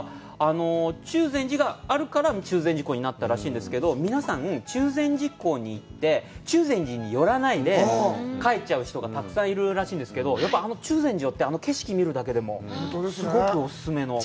中禅寺があるから中禅寺湖になったらしいんですけど、皆さん、中禅寺湖に行って、中禅寺に寄らないで帰っちゃう人がたくさんいるらしいんですけど、やっぱりあの中禅寺に寄って、あの景色見るだけでもすごくお勧めで。